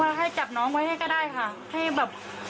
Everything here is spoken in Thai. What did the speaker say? ให้จับน้องไว้ให้ก็ได้ค่ะให้แบบ